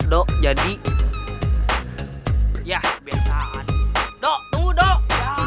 dok jadi ya biasa dok dok